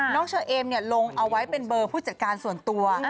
เชอเอมลงเอาไว้เป็นเบอร์ผู้จัดการส่วนตัว